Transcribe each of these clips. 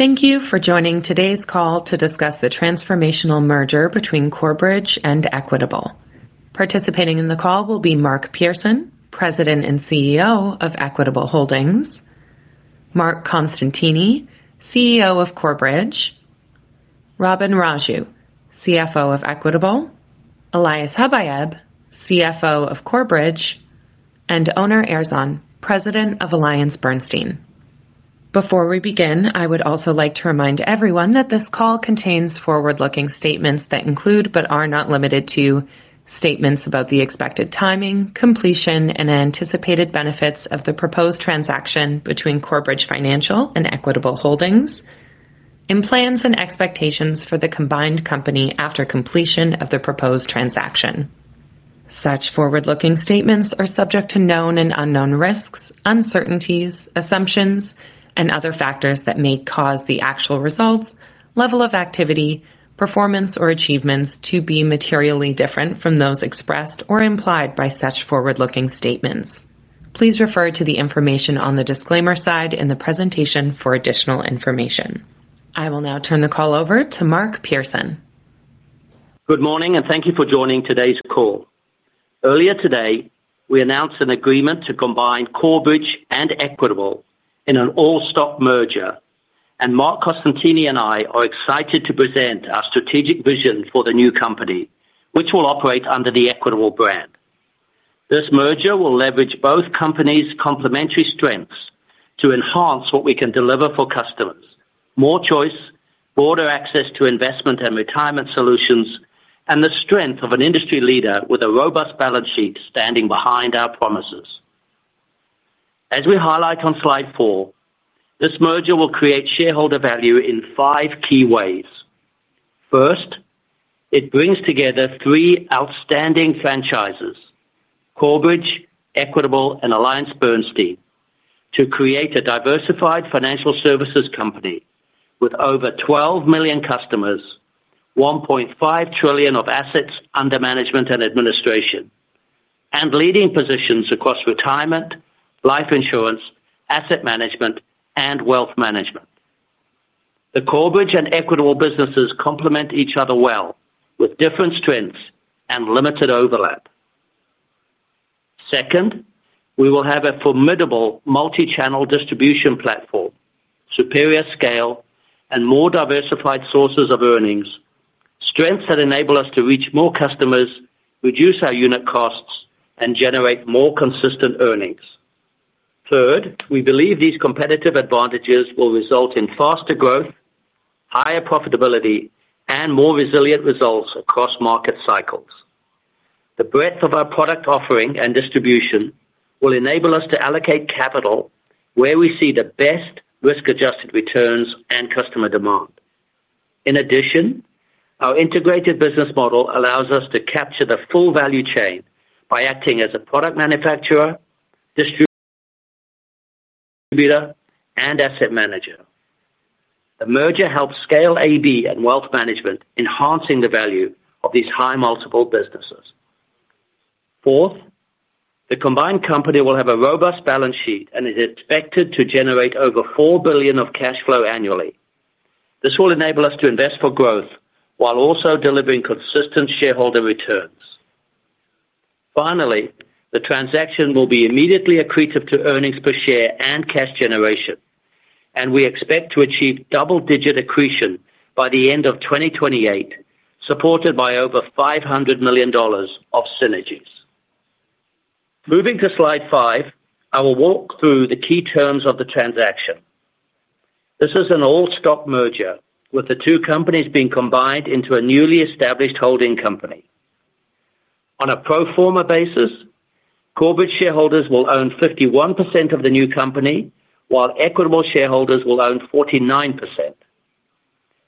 Thank you for joining today's call to discuss the transformational merger between Corebridge and Equitable. Participating in the call will be Mark Pearson, President and CEO of Equitable Holdings, Marc Costantini, CEO of Corebridge, Robin Raju, CFO of Equitable, Elias Habayeb, CFO of Corebridge, and Onur Erzan, President of AllianceBernstein. Before we begin, I would also like to remind everyone that this call contains forward-looking statements that include, but are not limited to, statements about the expected timing, completion, and anticipated benefits of the proposed transaction between Corebridge Financial and Equitable Holdings and plans and expectations for the combined company after completion of the proposed transaction. Such forward-looking statements are subject to known and unknown risks, uncertainties, assumptions, and other factors that may cause the actual results, level of activity, performance, or achievements to be materially different from those expressed or implied by such forward-looking statements. Please refer to the information on the disclaimer slide in the presentation for additional information. I will now turn the call over to Mark Pearson. Good morning and thank you for joining today's call. Earlier today, we announced an agreement to combine Corebridge and Equitable in an all-stock merger, and Marc Costantini and I are excited to present our strategic vision for the new company, which will operate under the Equitable brand. This merger will leverage both companies' complementary strengths to enhance what we can deliver for customers. More choice, broader access to investment and retirement solutions, and the strength of an industry leader with a robust balance sheet standing behind our promises. As we highlight on slide four, this merger will create shareholder value in five key ways. First, it brings together three outstanding franchises Corebridge, Equitable, and AllianceBernstein to create a diversified financial services company with over 12 million customers, 1.5 trillion of assets under management and administration, and leading positions across Retirement, Life Insurance, Asset Management, and Wealth Management. The Corebridge and Equitable businesses complement each other well with different strengths and limited overlap. Second, we will have a formidable multi-channel distribution platform, superior scale, and more diversified sources of earnings, strengths that enable us to reach more customers, reduce our unit costs, and generate more consistent earnings. Third, we believe these competitive advantages will result in faster growth, higher profitability, and more resilient results across market cycles. The breadth of our product offering and distribution will enable us to allocate capital where we see the best risk-adjusted returns and customer demand. In addition, our integrated business model allows us to capture the full value chain by acting as a product manufacturer, distributor, and asset manager. The merger helps scale AB and wealth management, enhancing the value of these high multiple businesses. Fourth, the combined company will have a robust balance sheet and is expected to generate over $4 billion of cash flow annually. This will enable us to invest for growth while also delivering consistent shareholder returns. Finally, the transaction will be immediately accretive to earnings per share and cash generation, and we expect to achieve double-digit accretion by the end of 2028, supported by over $500 million of synergies. Moving to slide five, I will walk through the key terms of the transaction. This is an all-stock merger with the two companies being combined into a newly established holding company. On a pro forma basis, Corebridge shareholders will own 51% of the new company while Equitable shareholders will own 49%.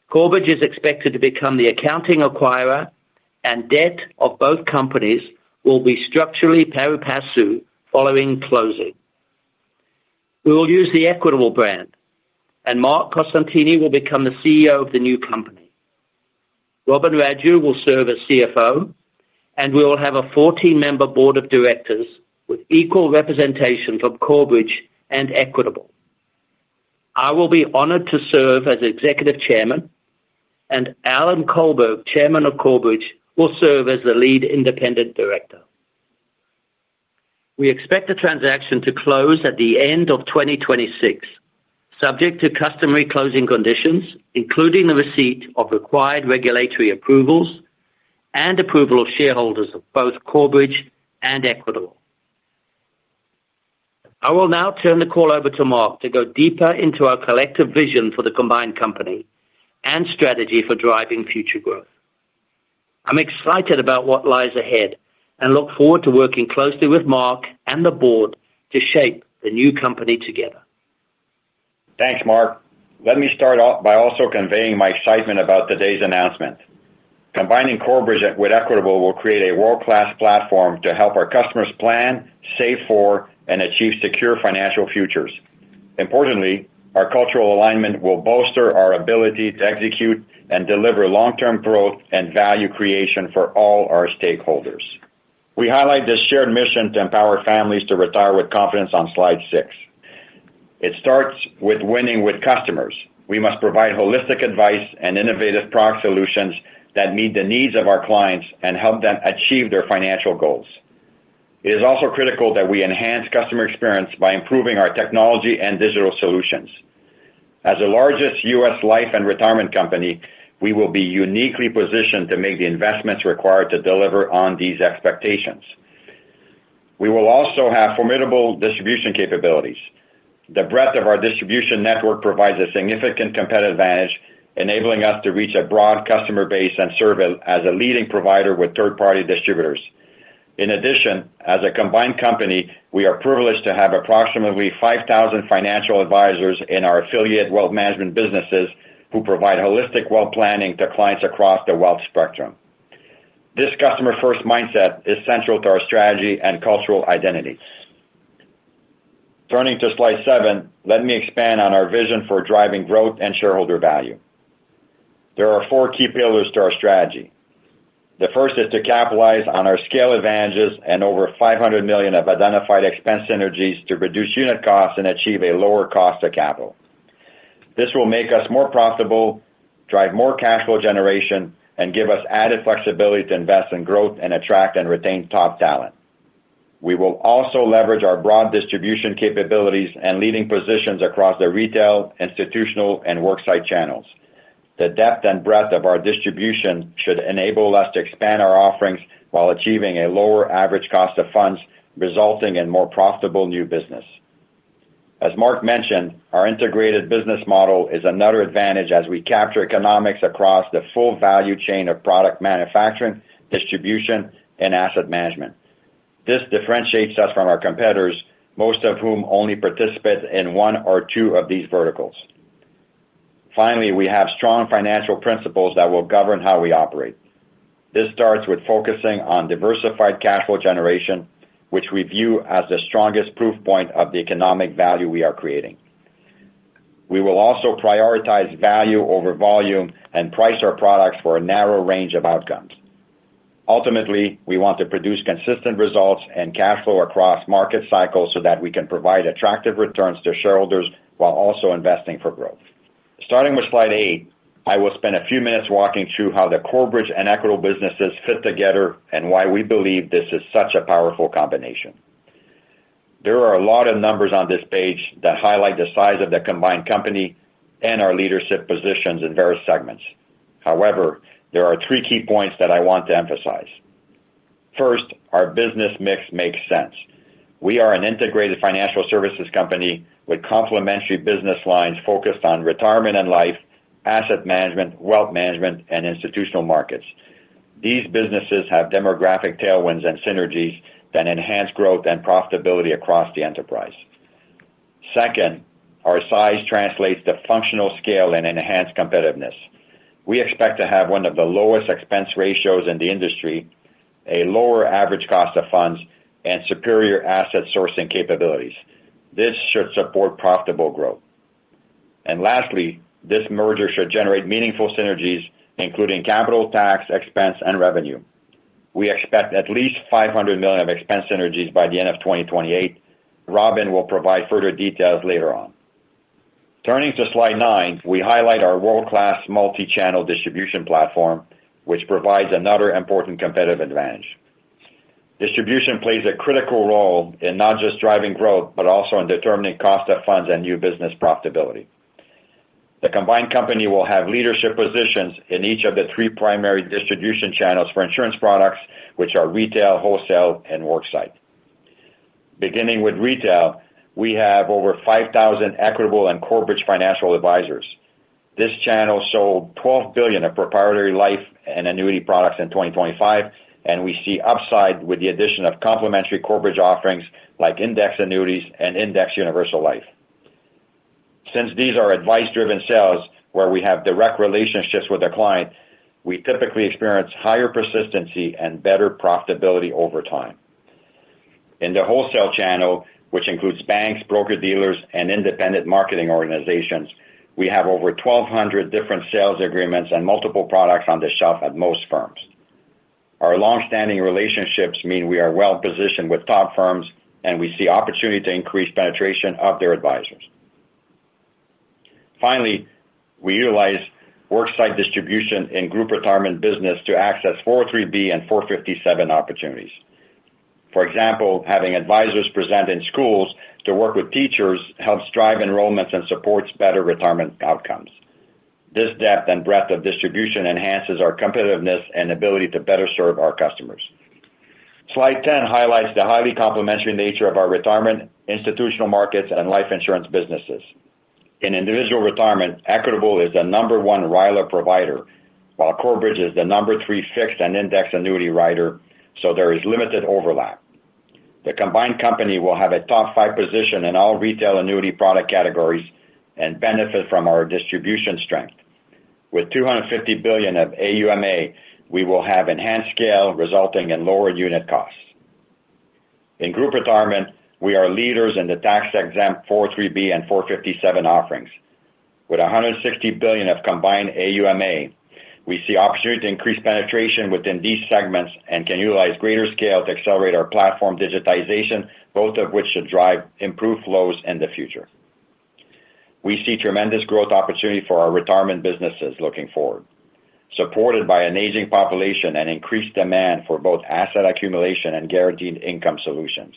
Corebridge is expected to become the accounting acquirer and debt of both companies will be structurally pari passu following closing. We will use the Equitable brand and Marc Costantini will become the CEO of the new company. Robin Raju will serve as CFO, and we will have a 14-member Board of Directors with equal representation from Corebridge and Equitable. I will be honored to serve as Executive Chairman, and Alan Colberg, Chairman of Corebridge, will serve as the Lead Independent Director. We expect the transaction to close at the end of 2026, subject to customary closing conditions, including the receipt of required regulatory approvals and approval of shareholders of both Corebridge and Equitable. I will now turn the call over to Marc to go deeper into our collective vision for the combined company and strategy for driving future growth. I'm excited about what lies ahead and look forward to working closely with Marc and the board to shape the new company together. Thanks, Mark. Let me start off by also conveying my excitement about today's announcement. Combining Corebridge with Equitable will create a world-class platform to help our customers plan, save for, and achieve secure financial futures. Importantly, our cultural alignment will bolster our ability to execute and deliver long-term growth and value creation for all our stakeholders. We highlight this shared mission to empower families to retire with confidence on slide six. It starts with winning with customers. We must provide holistic advice and innovative product solutions that meet the needs of our clients and help them achieve their financial goals. It is also critical that we enhance customer experience by improving our technology and digital solutions. As the largest U.S. life and retirement company, we will be uniquely positioned to make the investments required to deliver on these expectations. We will also have formidable distribution capabilities. The breadth of our distribution network provides a significant competitive advantage, enabling us to reach a broad customer base and serve as a leading provider with third-party distributors. In addition, as a combined company, we are privileged to have approximately 5,000 financial advisors in our affiliate Wealth Management businesses who provide holistic wealth planning to clients across the wealth spectrum. This customer-first mindset is central to our strategy and cultural identities. Turning to slide seven, let me expand on our vision for driving growth and shareholder value. There are four key pillars to our strategy. The first is to capitalize on our scale advantages and over $500 million of identified expense synergies to reduce unit costs and achieve a lower cost of capital. This will make us more profitable, drive more cash flow generation, and give us added flexibility to invest in growth and attract and retain top talent. We will also leverage our broad distribution capabilities and leading positions across the retail, institutional, and worksite channels. The depth and breadth of our distribution should enable us to expand our offerings while achieving a lower average cost of funds, resulting in more profitable new business. As Mark mentioned, our integrated business model is another advantage as we capture economics across the full value chain of product manufacturing, distribution, and asset management. This differentiates us from our competitors, most of whom only participate in one or two of these verticals. Finally, we have strong financial principles that will govern how we operate. This starts with focusing on diversified cash flow generation, which we view as the strongest proof point of the economic value we are creating. We will also prioritize value over volume and price our products for a narrow range of outcomes. Ultimately, we want to produce consistent results and cash flow across market cycles so that we can provide attractive returns to shareholders while also investing for growth. Starting with slide eight, I will spend a few minutes walking through how the Corebridge and Equitable businesses fit together and why we believe this is such a powerful combination. There are a lot of numbers on this page that highlight the size of the combined company and our leadership positions in various segments. However, there are three key points that I want to emphasize. First, our business mix makes sense. We are an integrated financial services company with complementary business lines focused on retirement and life, asset management, wealth management, and institutional markets. These businesses have demographic tailwinds and synergies that enhance growth and profitability across the enterprise. Second, our size translates to functional scale and enhanced competitiveness. We expect to have one of the lowest expense ratios in the industry, a lower average cost of funds, and superior asset sourcing capabilities. This should support profitable growth. Lastly, this merger should generate meaningful synergies, including capital tax, expense, and revenue. We expect at least $500 million of expense synergies by the end of 2028. Robin will provide further details later on. Turning to slide nine, we highlight our world-class multi-channel distribution platform, which provides another important competitive advantage. Distribution plays a critical role in not just driving growth, but also in determining cost of funds and new business profitability. The combined company will have leadership positions in each of the three primary distribution channels for insurance products, which are retail, wholesale, and worksite. Beginning with retail, we have over 5,000 Equitable and Corebridge financial advisors. This channel sold $12 billion of proprietary life and annuity products in 2025, and we see upside with the addition of complementary Corebridge offerings like indexed annuities and indexed universal life. Since these are advice-driven sales where we have direct relationships with the client, we typically experience higher persistency and better profitability over time. In the wholesale channel, which includes banks, broker-dealers, and independent marketing organizations, we have over 1,200 different sales agreements and multiple products on the shelf at most firms. Our long-standing relationships mean we are well-positioned with top firms, and we see opportunity to increase penetration of their advisors. Finally, we utilize worksite distribution in Group Retirement business to access 403(b) and 457 opportunities. For example, having advisors present in schools to work with teachers helps drive enrollments and supports better retirement outcomes. This depth and breadth of distribution enhances our competitiveness and ability to better serve our customers. Slide 10 highlights the highly complementary nature of our Retirement, Institutional Markets, and Life Insurance businesses. In Individual Retirement, Equitable is the number one RILA provider, while Corebridge is the number three fixed indexed annuity writer, so there is limited overlap. The combined company will have a top five position in all retail annuity product categories and benefit from our distribution strength. With $250 billion of AUM/A, we will have enhanced scale resulting in lower unit costs. In Group Retirement, we are leaders in the tax-exempt 403(b) and 457 offerings. With $160 billion of combined AUMA, we see opportunity to increase penetration within these segments and can utilize greater scale to accelerate our platform digitization, both of which should drive improved flows in the future. We see tremendous growth opportunity for our retirement businesses looking forward, supported by an aging population and increased demand for both asset accumulation and guaranteed income solutions.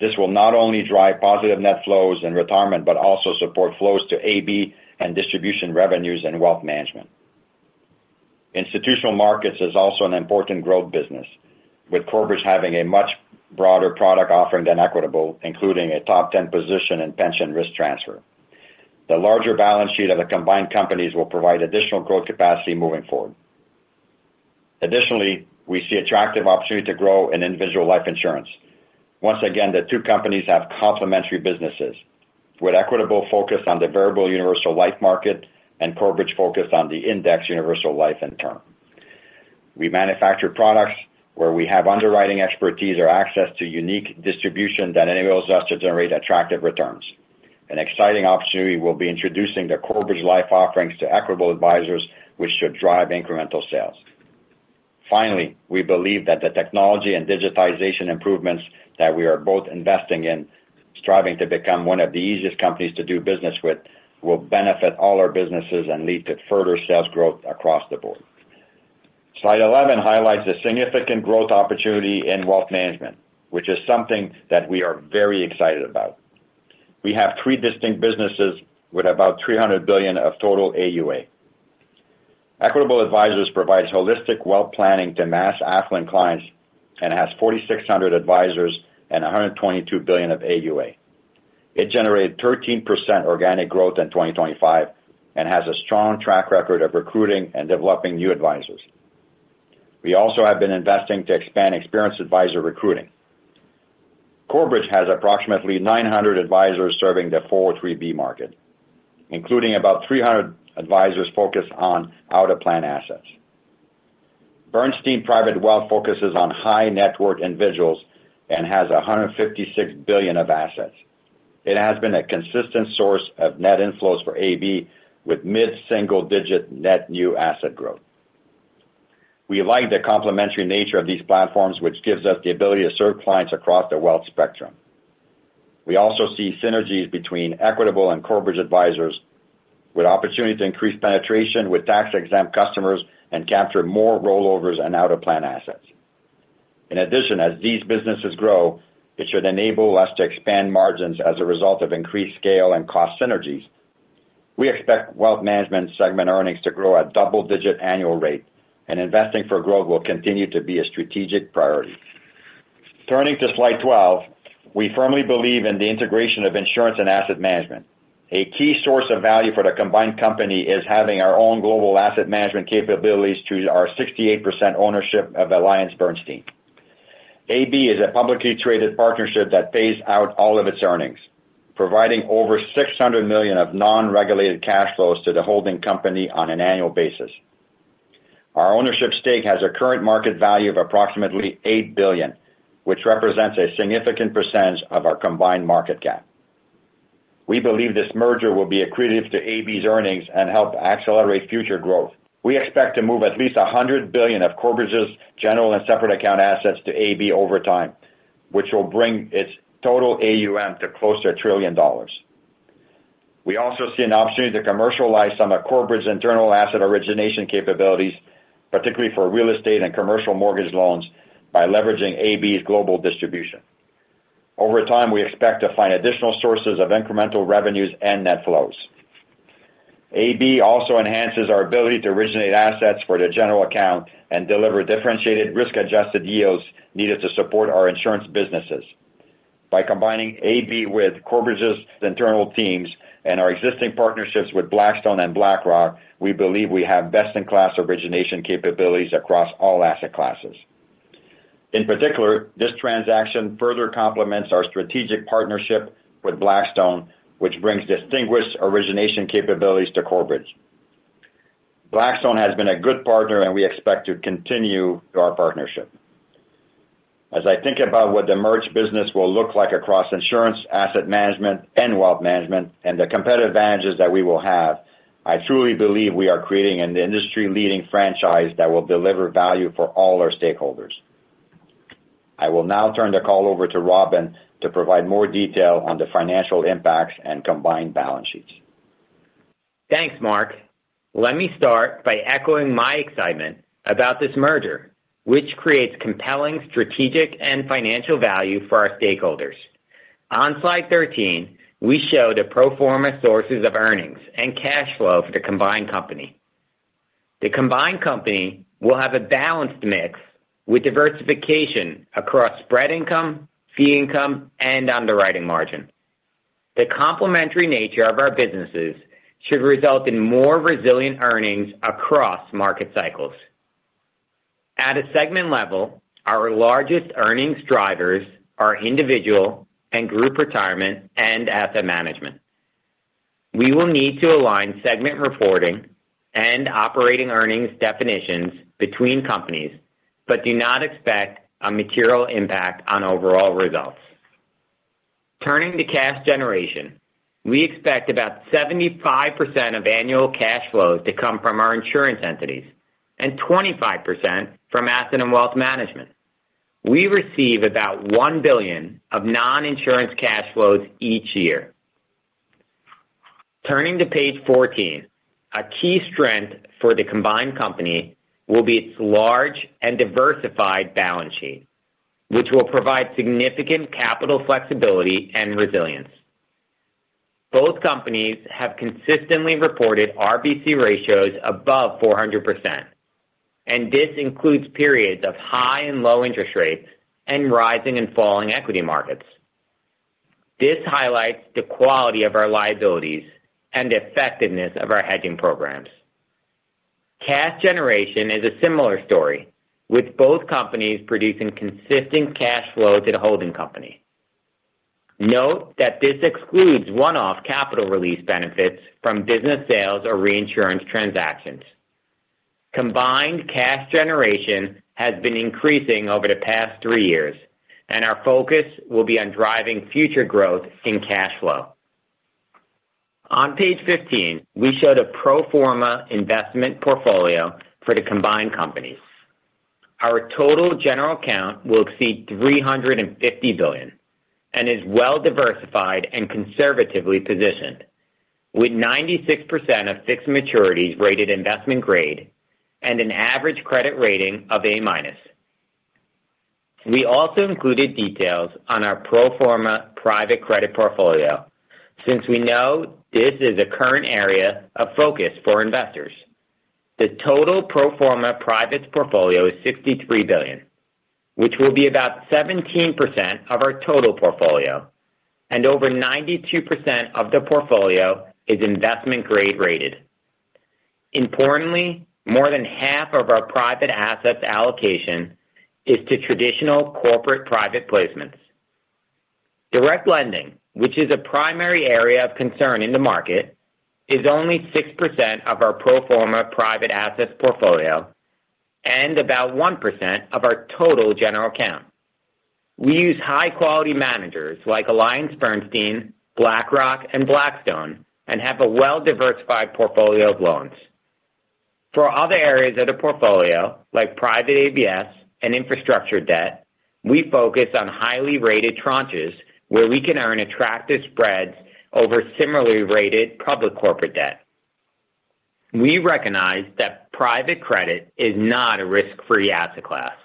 This will not only drive positive net flows in retirement but also support flows to AB and distribution revenues in Wealth Management. Institutional Markets is also an important growth business, with Corebridge having a much broader product offering than Equitable, including a top 10 position in pension risk transfer. The larger balance sheet of the combined companies will provide additional growth capacity moving forward. Additionally, we see attractive opportunity to grow in Individual Life Insurance. Once again, the two companies have complementary businesses, with Equitable focused on the variable universal life market and Corebridge focused on the indexed universal life and term. We manufacture products where we have underwriting expertise or access to unique distribution that enables us to generate attractive returns. An exciting opportunity will be introducing the Corebridge life offerings to Equitable Advisors, which should drive incremental sales. Finally, we believe that the technology and digitization improvements that we are both investing in, striving to become one of the easiest companies to do business with, will benefit all our businesses and lead to further sales growth across the board. Slide 11 highlights the significant growth opportunity in Wealth Management, which is something that we are very excited about. We have three distinct businesses with about $300 billion of total AUA. Equitable Advisors provides holistic wealth planning to mass affluent clients and has 4,600 advisors and $122 billion of AUA. It generated 13% organic growth in 2025 and has a strong track record of recruiting and developing new advisors. We also have been investing to expand experienced advisor recruiting. Corebridge has approximately 900 advisors serving the 403(b) market, including about 300 advisors focused on out-of-plan assets. Bernstein Private Wealth focuses on high-net-worth individuals and has $156 billion of assets. It has been a consistent source of net inflows for AB, with mid-single-digit net new asset growth. We like the complementary nature of these platforms, which gives us the ability to serve clients across the wealth spectrum. We also see synergies between Equitable and Corebridge advisors with opportunity to increase penetration with tax-exempt customers and capture more rollovers and out-of-plan assets. In addition, as these businesses grow, it should enable us to expand margins as a result of increased scale and cost synergies. We expect Wealth Management segment earnings to grow at double-digit annual rate, and investing for growth will continue to be a strategic priority. Turning to slide 12, we firmly believe in the integration of insurance and asset management. A key source of value for the combined company is having our own global asset management capabilities through our 68% ownership of AllianceBernstein. AB is a publicly traded partnership that pays out all of its earnings, providing over $600 million of non-regulated cash flows to the holding company on an annual basis. Our ownership stake has a current market value of approximately $8 billion, which represents a significant percentage of our combined market cap. We believe this merger will be accretive to AB's earnings and help accelerate future growth. We expect to move at least $100 billion of Corebridge's general and separate account assets to AB over time, which will bring its total AUM to close to $1 trillion. We also see an opportunity to commercialize some of Corebridge's internal asset origination capabilities, particularly for real estate and commercial mortgage loans, by leveraging AB's global distribution. Over time, we expect to find additional sources of incremental revenues and net flows. AB also enhances our ability to originate assets for the general account and deliver differentiated risk-adjusted yields needed to support our insurance businesses. By combining AB with Corebridge's internal teams and our existing partnerships with Blackstone and BlackRock, we believe we have best-in-class origination capabilities across all asset classes. In particular, this transaction further complements our strategic partnership with Blackstone, which brings distinguished origination capabilities to Corebridge. Blackstone has been a good partner, and we expect to continue our partnership. As I think about what the merged business will look like across Insurance, Asset Management, and Wealth Management, and the competitive advantages that we will have, I truly believe we are creating an industry-leading franchise that will deliver value for all our stakeholders. I will now turn the call over to Robin to provide more detail on the financial impacts and combined balance sheets. Thanks, Marc. Let me start by echoing my excitement about this merger, which creates compelling strategic and financial value for our stakeholders. On slide 13, we show the pro forma sources of earnings and cash flow for the combined company. The combined company will have a balanced mix with diversification across spread income, fee income, and underwriting margin. The complementary nature of our businesses should result in more resilient earnings across market cycles. At a segment level, our largest earnings drivers are Individual and Group Retirement and Asset Management. We will need to align segment reporting and operating earnings definitions between companies, but do not expect a material impact on overall results. Turning to cash generation, we expect about 75% of annual cash flows to come from our insurance entities and 25% from Asset and Wealth Management. We receive about $1 billion of non-insurance cash flows each year. Turning to page 14, a key strength for the combined company will be its large and diversified balance sheet, which will provide significant capital flexibility and resilience. Both companies have consistently reported RBC ratios above 400%, and this includes periods of high and low interest rates and rising and falling equity markets. This highlights the quality of our liabilities and the effectiveness of our hedging programs. Cash generation is a similar story, with both companies producing consistent cash flows to the holding company. Note that this excludes one-off capital release benefits from business sales or reinsurance transactions. Combined cash generation has been increasing over the past three years, and our focus will be on driving future growth in cash flow. On page 15, we show the pro forma investment portfolio for the combined companies. Our total general account will exceed $350 billion and is well diversified and conservatively positioned with 96% of fixed maturities rated investment grade and an average credit rating of A-. We also included details on our pro forma private credit portfolio since we know this is a current area of focus for investors. The total pro forma privates portfolio is $63 billion, which will be about 17% of our total portfolio, and over 92% of the portfolio is investment grade rated. Importantly, more than half of our private assets allocation is to traditional corporate private placements. Direct lending, which is a primary area of concern in the market, is only 6% of our pro forma private assets portfolio and about 1% of our total general account. We use high quality managers like AllianceBernstein, BlackRock, and Blackstone, and have a well-diversified portfolio of loans. For other areas of the portfolio, like private ABS and infrastructure debt, we focus on highly rated tranches where we can earn attractive spreads over similarly rated public corporate debt. We recognize that private credit is not a risk-free asset class.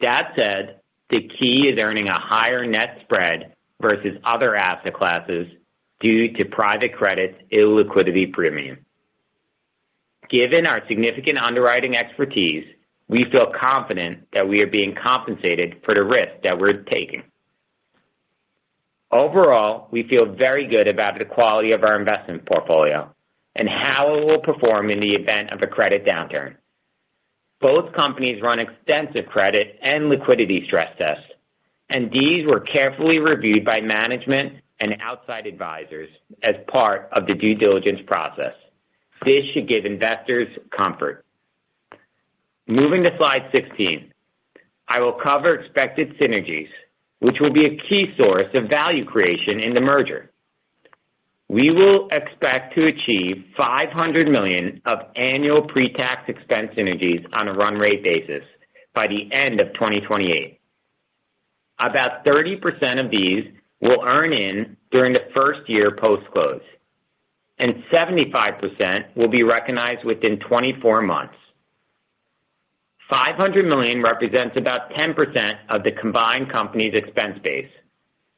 That said, the key is earning a higher net spread versus other asset classes due to private credit's illiquidity premium. Given our significant underwriting expertise, we feel confident that we are being compensated for the risk that we're taking. Overall, we feel very good about the quality of our investment portfolio and how it will perform in the event of a credit downturn. Both companies run extensive credit and liquidity stress tests, and these were carefully reviewed by management and outside advisors as part of the due diligence process. This should give investors comfort. Moving to slide 16, I will cover expected synergies, which will be a key source of value creation in the merger. We will expect to achieve $500 million of annual pre-tax expense synergies on a run rate basis by the end of 2028. About 30% of these will earn in during the first year post-close, and 75% will be recognized within 24 months. $500 million represents about 10% of the combined company's expense base,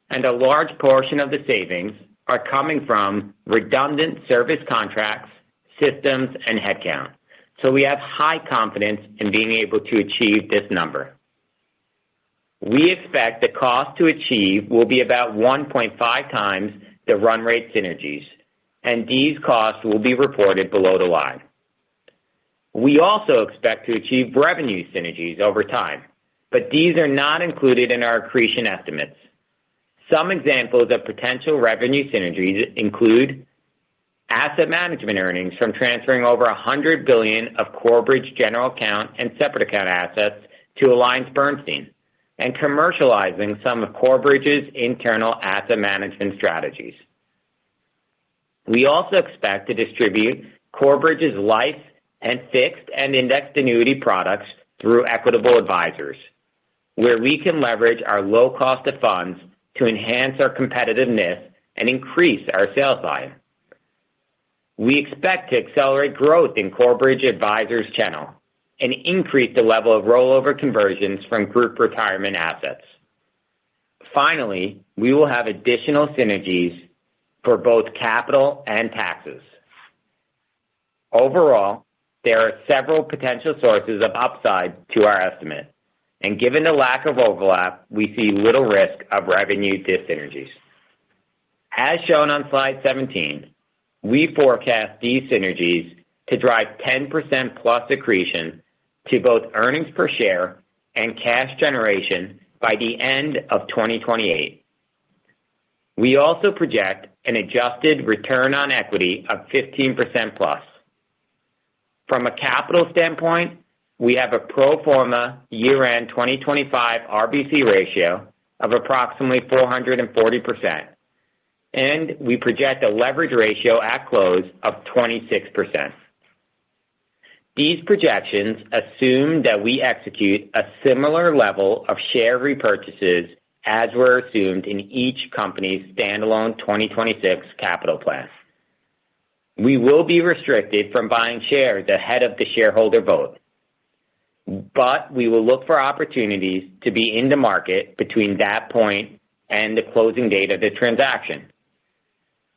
and a large portion of the savings are coming from redundant service contracts, systems, and headcount, so we have high confidence in being able to achieve this number. We expect the cost to achieve will be about 1.5x the run rate synergies, and these costs will be reported below the line. We also expect to achieve revenue synergies over time, but these are not included in our accretion estimates. Some examples of potential revenue synergies include asset management earnings from transferring over $100 billion of Corebridge general account and separate account assets to AllianceBernstein and commercializing some of Corebridge's internal asset management strategies. We also expect to distribute Corebridge's life and fixed and indexed annuity products through Equitable Advisors, where we can leverage our low cost of funds to enhance our competitiveness and increase our sales volume. We expect to accelerate growth in Corebridge Advisors channel and increase the level of rollover conversions from group retirement assets. Finally, we will have additional synergies for both capital and taxes. Overall, there are several potential sources of upside to our estimate, and given the lack of overlap, we see little risk of revenue dis-synergies. As shown on slide 17, we forecast these synergies to drive 10%+ accretion to both earnings per share and cash generation by the end of 2028. We also project an adjusted return on equity of 15%+. From a capital standpoint, we have a pro forma year-end 2025 RBC ratio of approximately 440%, and we project a leverage ratio at close of 26%. These projections assume that we execute a similar level of share repurchases as were assumed in each company's standalone 2026 capital plans. We will be restricted from buying shares ahead of the shareholder vote, but we will look for opportunities to be in the market between that point and the closing date of the transaction.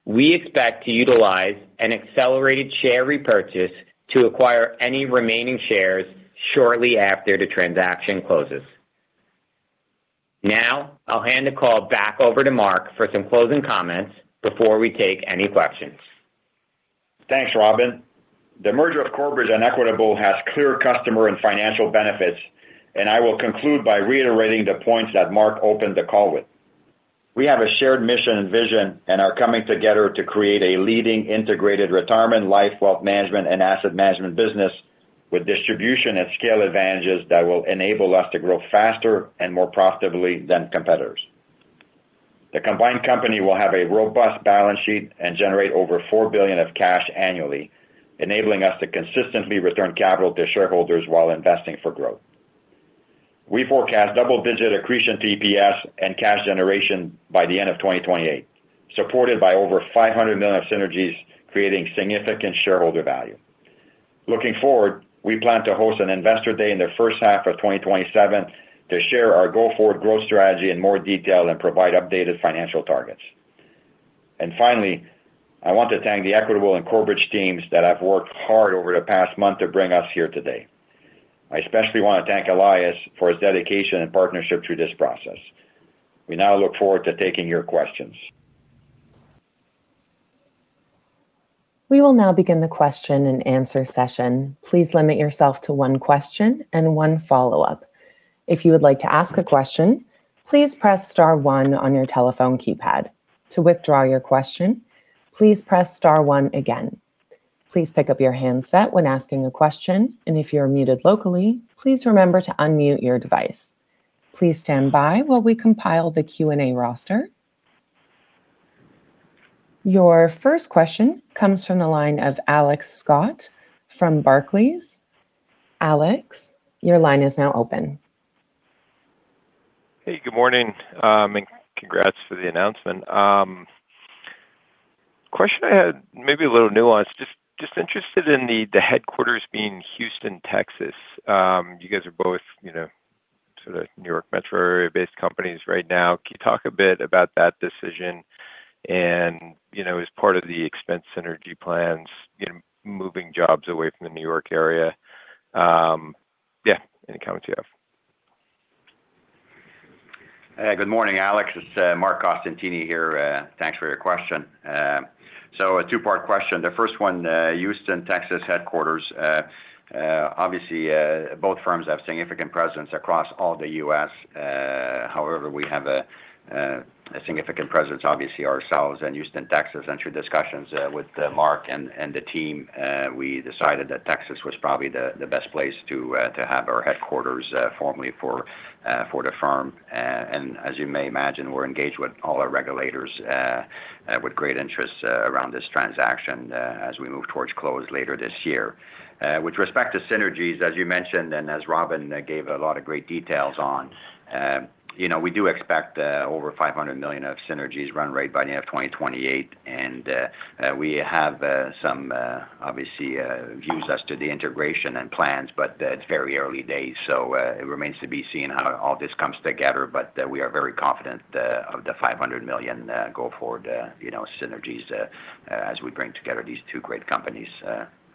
We expect to utilize an accelerated share repurchase to acquire any remaining shares shortly after the transaction closes. Now, I'll hand the call back over to Mark for some closing comments before we take any questions. Thanks, Robin. The merger of Corebridge and Equitable has clear customer and financial benefits, and I will conclude by reiterating the points that Mark opened the call with. We have a shared mission and vision and are coming together to create a leading integrated Retirement, Life, Wealth Management and Asset Management business with distribution and scale advantages that will enable us to grow faster and more profitably than competitors. The combined company will have a robust balance sheet and generate over $4 billion of cash annually, enabling us to consistently return capital to shareholders while investing for growth. We forecast double-digit accretion to EPS and cash generation by the end of 2028, supported by over $500 million of synergies creating significant shareholder value. Looking forward, we plan to host an investor day in the first half of 2027 to share our go-forward growth strategy in more detail and provide updated financial targets. Finally, I want to thank the Equitable and Corebridge teams that have worked hard over the past month to bring us here today. I especially want to thank Elias for his dedication and partnership through this process. We now look forward to taking your questions. We will now begin the question-and-answer session. Please limit yourself to one question and one follow-up. If you would like to ask a question, please press star one on your telephone keypad. To withdraw your question, please press star one again. Please pick up your handset when asking a question, and if you're muted locally, please remember to unmute your device. Please stand by while we compile the Q&A roster. Your first question comes from the line of Alex Scott from Barclays. Alex, your line is now open. Hey, good morning, and congrats for the announcement. Question I had maybe a little nuanced, just interested in the headquarters being Houston, Texas. You guys are both, you know, sort of New York metro area-based companies right now. Can you talk a bit about that decision and, you know, as part of the expense synergy plans in moving jobs away from the New York area? Yeah, any comments you have. Good morning, Alex. It's Marc Costantini here. Thanks for your question. A two-part question. The first one, Houston, Texas headquarters. Obviously, both firms have significant presence across all the U.S. However, we have a significant presence obviously ourselves in Houston, Texas. Through discussions with Mark and the team, we decided that Texas was probably the best place to have our headquarters formally for the firm. As you may imagine, we're engaged with all our regulators with great interest around this transaction as we move towards close later this year. With respect to synergies, as you mentioned, and as Robin gave a lot of great details on, you know, we do expect over $500 million of synergies run rate by the end of 2028. We have some, obviously, views as to the integration and plans, but it's very early days, so it remains to be seen how all this comes together. We are very confident of the $500 million go forward, you know, synergies, as we bring together these two great companies.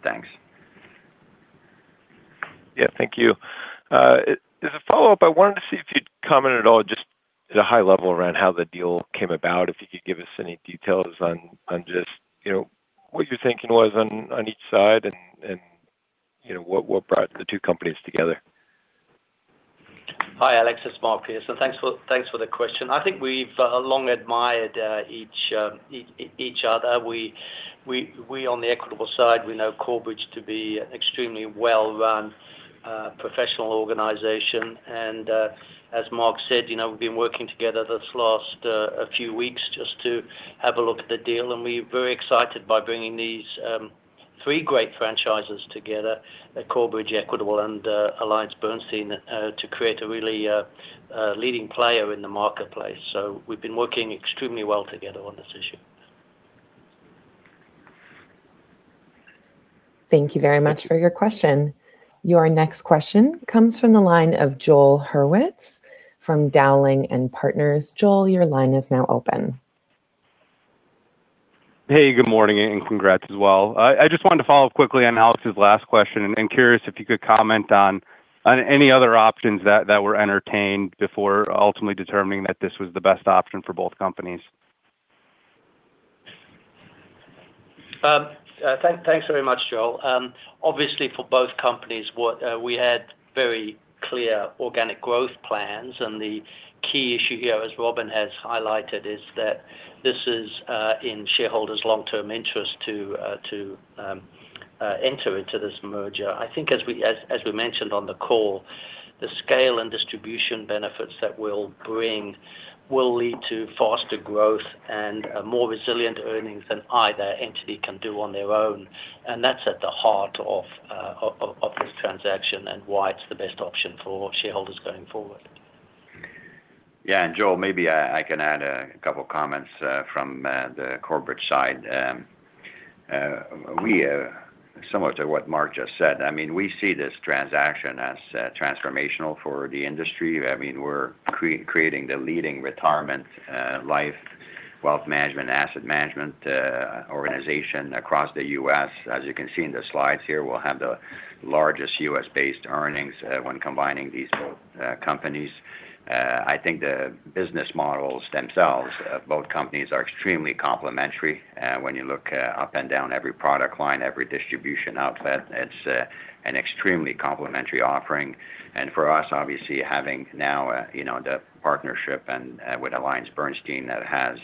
Thanks. Yeah, thank you. As a follow-up, I wanted to see if you'd comment at all just at a high level around how the deal came about, if you could give us any details on just, you know, what your thinking was on each side and, you know, what brought the two companies together. Hi, Alex. It's Mark Pearson. Thanks for the question. I think we've long admired each other. We on the Equitable side know Corebridge to be extremely well-run professional organization. As Marc said, you know, we've been working together these last few weeks just to have a look at the deal, and we're very excited by bringing these three great franchises together at Corebridge, Equitable, and AllianceBernstein to create a really leading player in the marketplace. We've been working extremely well together on this issue. Thank you very much for your question. Your next question comes from the line of Joel Hurwitz from Dowling & Partners. Joel, your line is now open. Hey, good morning, and congrats as well. I just wanted to follow up quickly on Alex's last question, and curious if you could comment on any other options that were entertained before ultimately determining that this was the best option for both companies. Thanks very much, Joel. Obviously, for both companies, we had very clear organic growth plans, and the key issue here, as Robin has highlighted, is that this is in shareholders' long-term interest to enter into this merger. I think as we mentioned on the call, the scale and distribution benefits that we'll bring will lead to faster growth and a more resilient earnings than either entity can do on their own, and that's at the heart of this transaction and why it's the best option for shareholders going forward. Yeah. Joel, maybe I can add a couple comments from the corporate side. We similar to what Mark just said, I mean, we see this transaction as transformational for the industry. I mean, we're creating the leading Retirement, Life, Wealth Management and Asset Management organization across the U.S. As you can see in the slides here, we'll have the largest U.S.-based earnings when combining these two companies. I think the business models themselves of both companies are extremely complementary. When you look up and down every product line, every distribution outlet, it's an extremely complementary offering. For us, obviously, having now, you know, the partnership and with AllianceBernstein that has,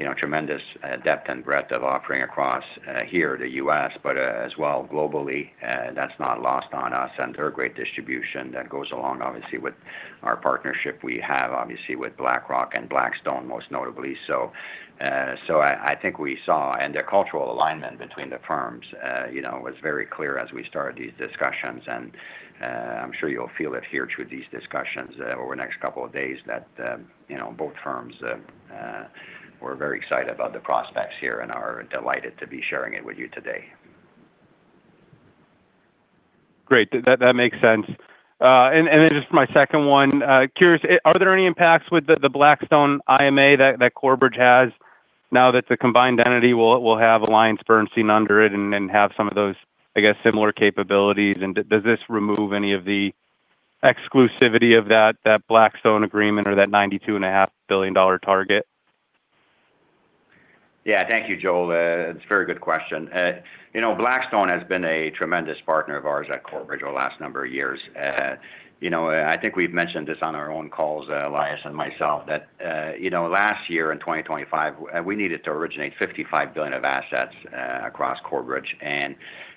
you know, tremendous depth and breadth of offering across here, the U.S., but as well globally, that's not lost on us. They're a great distribution that goes along obviously with our partnership we have obviously with BlackRock and Blackstone, most notably. I think we saw the cultural alignment between the firms, you know, was very clear as we started these discussions. I'm sure you'll feel it here through these discussions over the next couple of days that, you know, both firms we're very excited about the prospects here and are delighted to be sharing it with you today. Great. That makes sense. Just my second one, curious, are there any impacts with the Blackstone IMA that Corebridge has now that the combined entity will have AllianceBernstein under it and then have some of those, I guess, similar capabilities? Does this remove any of the exclusivity of that Blackstone agreement or that $92.5 billion target? Yeah. Thank you, Joel. It's a very good question. You know, Blackstone has been a tremendous partner of ours at Corebridge over the last number of years. You know, I think we've mentioned this on our own calls, Elias and myself, that, you know, last year in 2025, we needed to originate $55 billion of assets across Corebridge.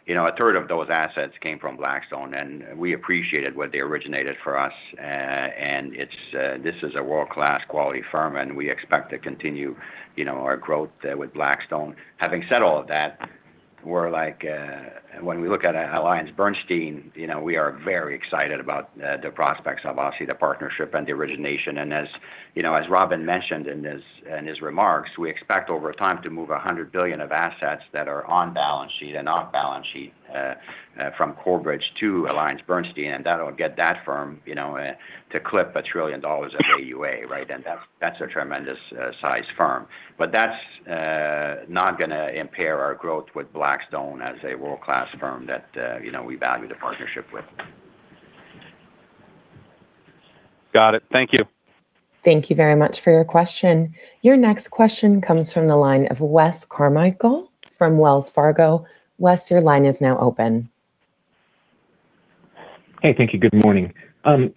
You know, 1/3 of those assets came from Blackstone, and we appreciated what they originated for us. It's this is a world-class quality firm, and we expect to continue, you know, our growth with Blackstone. Having said all of that, we're like, when we look at AllianceBernstein, you know, we are very excited about the prospects of obviously the partnership and the origination. As you know, as Robin mentioned in his remarks, we expect over time to move $100 billion of assets that are on balance sheet and off-balance sheet from Corebridge to AllianceBernstein, and that'll get that firm to like a $1 trillion of AUA, right? That's a tremendous sized firm. That's not gonna impair our growth with Blackstone as a world-class firm that we value the partnership with. Got it. Thank you. Thank you very much for your question. Your next question comes from the line of Wes Carmichael from Wells Fargo. Wes, your line is now open. Hey, thank you. Good morning.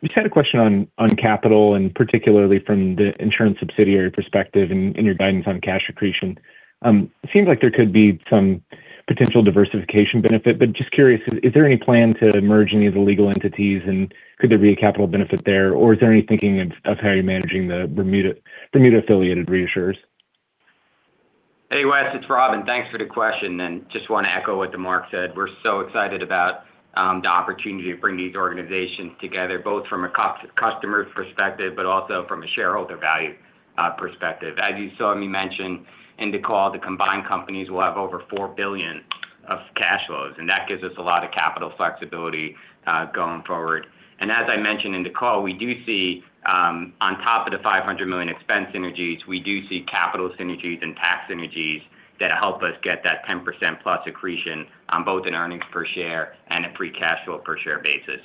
Just had a question on capital, and particularly from the insurance subsidiary perspective and your guidance on cash accretion. Seems like there could be some potential diversification benefit, but just curious, is there any plan to merge any of the legal entities, and could there be a capital benefit there? Or is there any thinking of how you're managing the Bermuda-affiliated reinsurers? Hey, Wes. It's Robin. Thanks for the question. I just want to echo what Marc said. We're so excited about the opportunity to bring these organizations together, both from a customer's perspective, but also from a shareholder value perspective. As you saw me mention in the call, the combined companies will have over $4 billion of cash flows, and that gives us a lot of capital flexibility going forward. As I mentioned in the call, we do see, on top of the $500 million expense synergies, we do see capital synergies and tax synergies that help us get that 10%+ accretion on both an earnings per share and a free cash flow per share basis.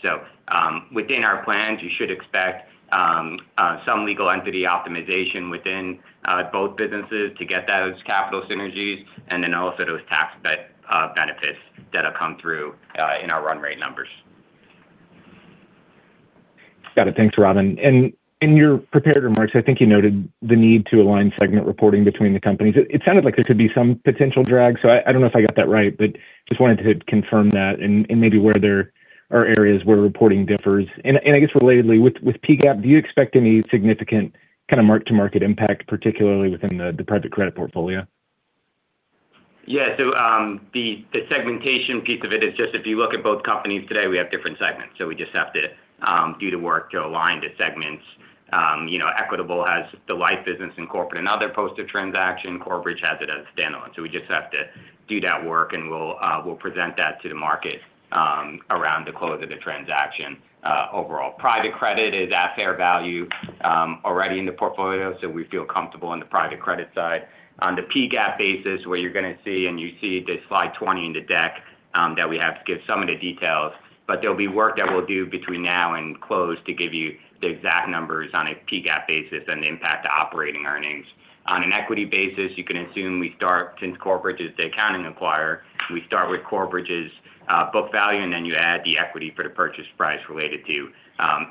Within our plans, you should expect some legal entity optimization within both businesses to get those capital synergies and then also those tax benefits that have come through in our run rate numbers. Got it. Thanks, Robin. In your prepared remarks, I think you noted the need to align segment reporting between the companies. It sounded like there could be some potential drag, so I don't know if I got that right, but just wanted to confirm that and maybe where there are areas where reporting differs. I guess relatedly, with GAAP, do you expect any significant kind of mark-to-market impact, particularly within the private credit portfolio? Yeah. The segmentation piece of it is just if you look at both companies today, we have different segments. We just have to do the work to align the segments. You know, Equitable has the life business and corporate and other post-transaction. Corebridge has it as standalone. We just have to do that work, and we'll present that to the market around the close of the transaction overall. Private credit is at fair value already in the portfolio, so we feel comfortable on the private credit side. On the PGAAP basis, what you're gonna see, and you see the slide 20 in the deck, that we have to give some of the details, but there'll be work that we'll do between now and close to give you the exact numbers on a PGAAP basis and the impact to operating earnings. On an equity basis, you can assume we start, since Corebridge is the accounting acquirer, we start with Corebridge's book value, and then you add the equity for the purchase price related to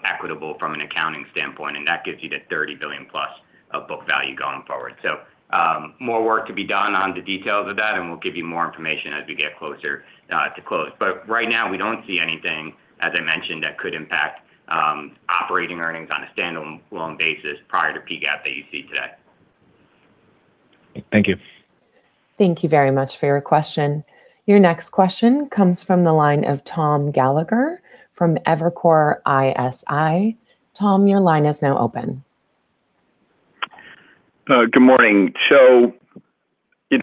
Equitable from an accounting standpoint, and that gives you the $30 billion-plus of book value going forward. More work to be done on the details of that, and we'll give you more information as we get closer to close. Right now, we don't see anything, as I mentioned, that could impact operating earnings on a stand-alone basis prior to GAAP that you see today. Thank you. Thank you very much for your question. Your next question comes from the line of Tom Gallagher from Evercore ISI. Tom, your line is now open. Good morning.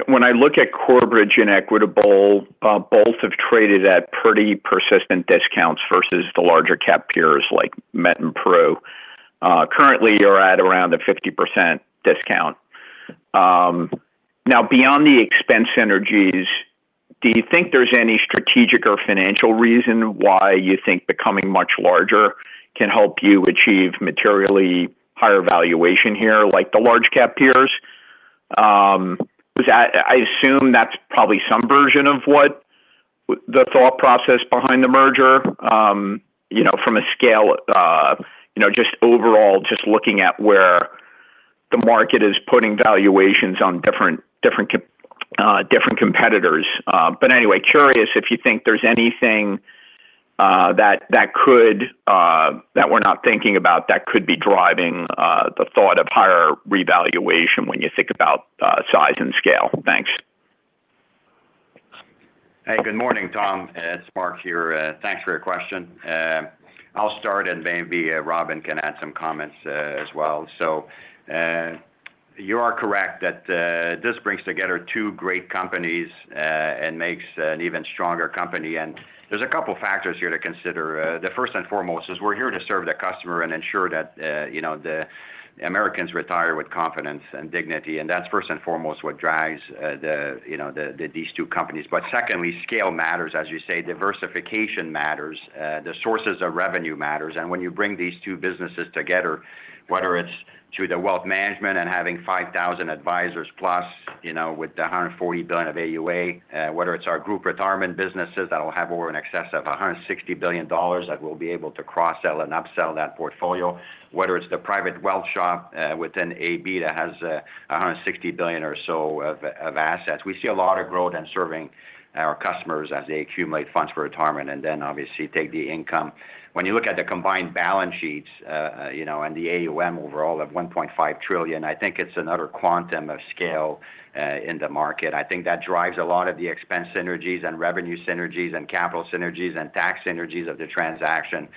When I look at Corebridge and Equitable, both have traded at pretty persistent discounts versus the larger cap peers like MetLife and Prudential. Currently, you're at around a 50% discount. Now, beyond the expense synergies, do you think there's any strategic or financial reason why you think becoming much larger can help you achieve materially higher valuation here, like the large cap peers? Because I assume that's probably some version of what the thought process behind the merger, you know, from a scale, you know, just overall just looking at where the market is putting valuations on different competitors. Anyway, curious if you think there's anything that we're not thinking about that could be driving the thought of higher revaluation when you think about size and scale? Thanks. Hey, good morning, Tom. It's Marc here. Thanks for your question. I'll start, and maybe Robin can add some comments as well. You are correct that this brings together two great companies and makes an even stronger company. There's a couple factors here to consider. The first and foremost is we're here to serve the customer and ensure that you know, the Americans retire with confidence and dignity. That's first and foremost what drives these two companies. Secondly, scale matters, as you say. Diversification matters. The sources of revenue matters. When you bring these two businesses together, whether it's through the Wealth M anagement and having 5,000 advisors plus, you know, with the $140 billion of AUA, whether it's our Group Retirement businesses that'll have over in excess of $160 billion that we'll be able to cross-sell and up-sell that portfolio, whether it's the private wealth shop within AB that has a $160 billion or so of assets. We see a lot of growth in serving our customers as they accumulate funds for retirement and then obviously take the income. When you look at the combined balance sheets, you know, and the AUM overall of $1.5 trillion, I think it's another quantum of scale in the market. I think that drives a lot of the expense synergies and revenue synergies and capital synergies and tax synergies of the transaction.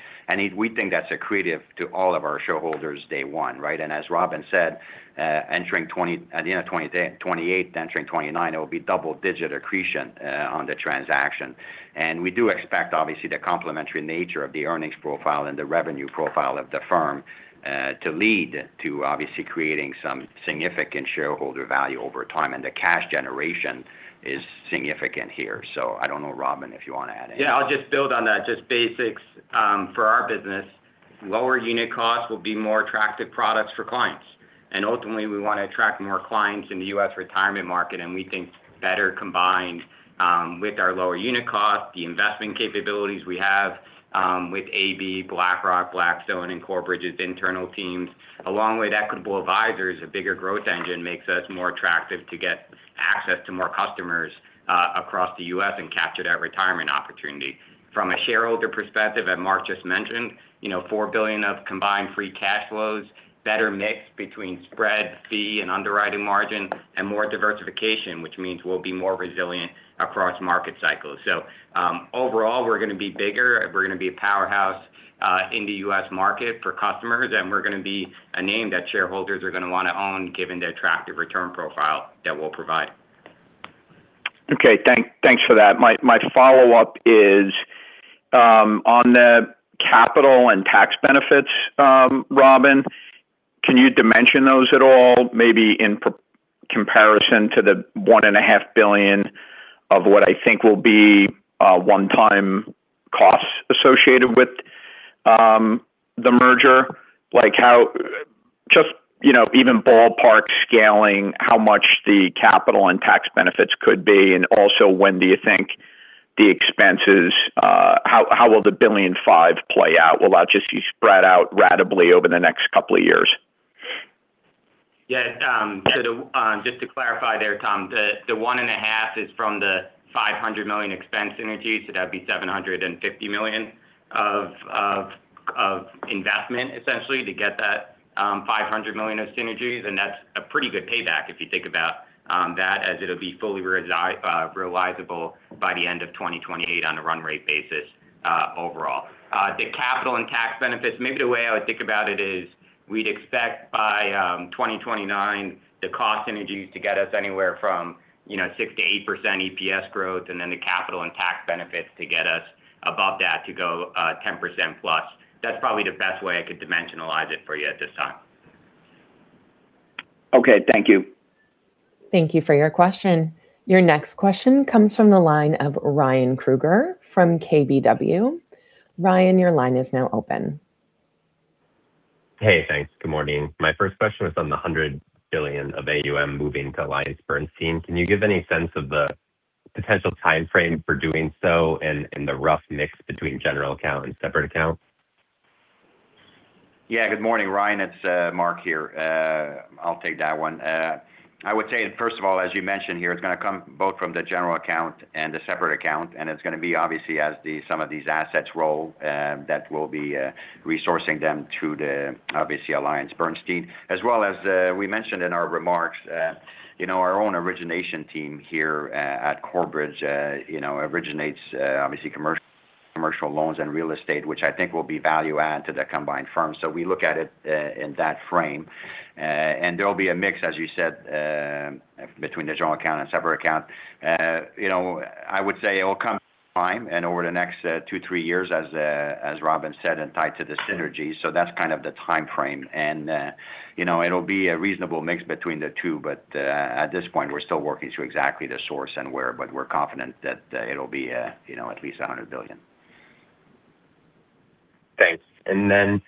We think that's accretive to all of our shareholders day one, right? As Robin said, at the end of 2028, entering 2029, it will be double-digit accretion on the transaction. We do expect, obviously, the complementary nature of the earnings profile and the revenue profile of the firm to lead to obviously creating some significant shareholder value over time. The cash generation is significant here. I don't know, Robin, if you want to add anything. Yeah, I'll just build on that, just basics, for our business. Lower unit costs will be more attractive products for clients. Ultimately, we want to attract more clients in the U.S. retirement market, and we think better combined, with our lower unit cost, the investment capabilities we have, with AB, BlackRock, Blackstone, and Corebridge's internal teams, along with Equitable Advisors, a bigger growth engine makes us more attractive to get access to more customers across the U.S. and capture that retirement opportunity. From a shareholder perspective, as Marc just mentioned, $4 billion of combined free cash flows, better mix between spread, fee, and underwriting margin, and more diversification, which means we'll be more resilient across market cycles. Overall, we're going to be bigger, we're going to be a powerhouse in the U.S. market for customers, and we're going to be a name that shareholders are going to want to own given the attractive return profile that we'll provide. Thanks for that. My follow-up is on the capital and tax benefits, Robin. Can you dimension those at all, maybe in comparison to the $1.5 billion of what I think will be one-time costs associated with the merger? Just, you know, even ballpark scaling how much the capital and tax benefits could be, and also, when do you think the expenses, how will the $1.5 billion play out? Will that just be spread out ratably over the next couple of years? Yeah. So to just to clarify there, Tom, the $1.5 billion is from the $500 million expense synergies, so that'd be $750 million of investment, essentially, to get that $500 million of synergies. That's a pretty good payback if you think about that as it'll be fully realizable by the end of 2028 on a run rate basis, overall. The capital and tax benefits, maybe the way I would think about it is we'd expect by 2029 the cost synergies to get us anywhere from, you know, 6%-8% EPS growth, and then the capital and tax benefits to get us above that to go 10%+. That's probably the best way I could dimensionalize it for you at this time. Okay. Thank you. Thank you for your question. Your next question comes from the line of Ryan Krueger from KBW. Ryan, your line is now open. Hey, thanks. Good morning. My first question was on the $100 billion of AUM moving to AllianceBernstein. Can you give any sense of the potential timeframe for doing so and the rough mix between general account and separate accounts? Yeah. Good morning, Ryan. It's Marc here. I'll take that one. I would say, first of all, as you mentioned here, it's gonna come both from the general account and the separate account, and it's gonna be obviously as some of these assets roll that we'll be sourcing them through, obviously, AllianceBernstein. As well as, we mentioned in our remarks, you know, our own origination team here at Corebridge, you know, originates, obviously, commercial loans and real estate, which I think will be value add to the combined firms. We look at it in that frame. There'll be a mix, as you said, between the general account and separate account. You know, I would say it will come time and over the next two, three years as Robin said, and tied to the synergy. That's kind of the timeframe. You know, it'll be a reasonable mix between the two, but at this point, we're still working through exactly the source and where, but we're confident that it'll be, you know, at least $100 billion. Thanks. Maybe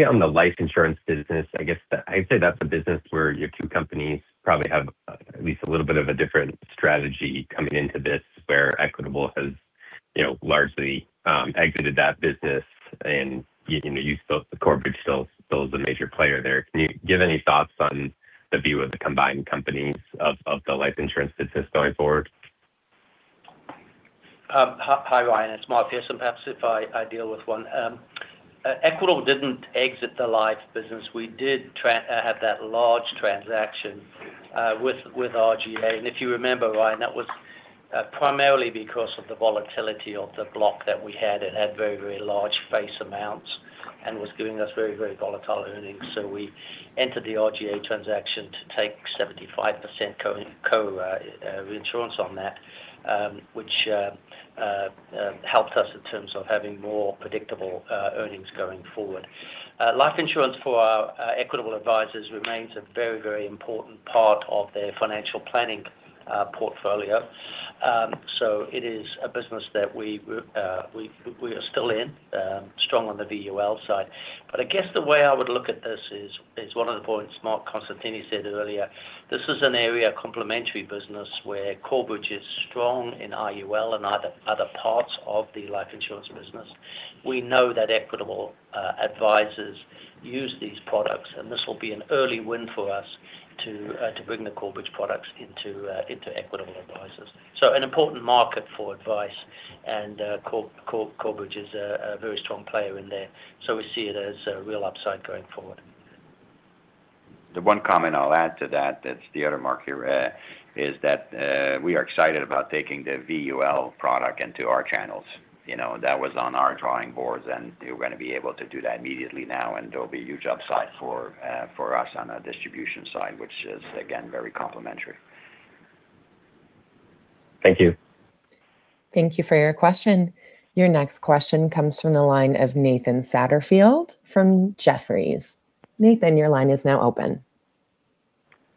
on the Life Insurance business, I guess I'd say that's a business where your two companies probably have at least a little bit of a different strategy coming into this where Equitable has, you know, largely exited that business and you know, you still Corebridge still is a major player there. Can you give any thoughts on the view of the combined companies of the Life Insurance business going forward? Hi, Ryan. It's Mark here. Perhaps if I deal with one. Equitable didn't exit the life business. We did have that large transaction with RGA. If you remember, Ryan, that was primarily because of the volatility of the block that we had. It had very, very large face amounts and was giving us very, very volatile earnings. We entered the RGA transaction to take 75% co-insurance on that, which helped us in terms of having more predictable earnings going forward. Life Insurance for our Equitable Advisors remains a very, very important part of their financial planning portfolio. It is a business that we are still in, strong on the VUL side. I guess the way I would look at this is one of the points Marc Costantini said earlier. This is an area complementary business where Corebridge is strong in IUL and other parts of the Life Insurance business. We know that Equitable Advisors use these products, and this will be an early win for us to bring the Corebridge products into Equitable Advisors. An important market for advice and Corebridge is a very strong player in there. We see it as a real upside going forward. The one comment I'll add to that, it's the other Marc here, is that we are excited about taking the VUL product into our channels. You know, that was on our drawing boards, and we're gonna be able to do that immediately now, and there'll be huge upside for us on the distribution side, which is again, very complementary. Thank you. Thank you for your question. Your next question comes from the line of Nathan Satterfield from Jefferies. Nathan, your line is now open.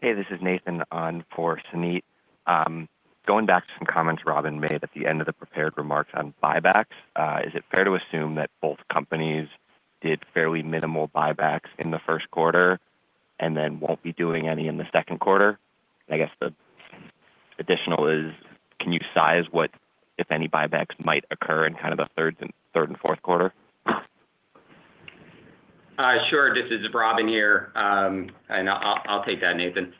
Hey, this is Nathan on for Suneet. Going back to some comments Robin made at the end of the prepared remarks on buybacks, is it fair to assume that both companies did fairly minimal buybacks in the first quarter and then won't be doing any in the second quarter? I guess the additional is can you size what, if any, buybacks might occur in kind of the third and fourth quarter? Sure. This is Robin here, and I'll take that, Nathan.